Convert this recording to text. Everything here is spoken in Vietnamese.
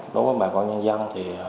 đối với bà con nhân dân